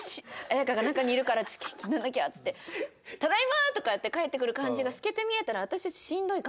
綾香が中にいるから元気になんなきゃ」っつって「ただいま！」とかって帰ってくる感じが透けて見えたら私はしんどい。